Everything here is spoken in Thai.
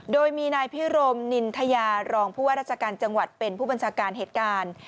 โดยมีนายพิรมนินทยารองผู้ว่าราชการจังหวัดเป็นผู้บัญชาการเหตุการณ์